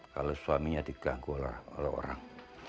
kalau suaminya diganggu oleh orang